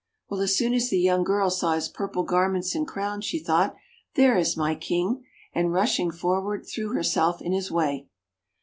Well, as soon as the young girl saw his purple garments and crown, she thought: 'There is my King!' and, rushing forward, threw her self in his way.